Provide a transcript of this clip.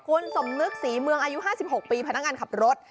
คุณสมนึกศรีเมืองอายุ๕๖ปีพนักงานขับรถ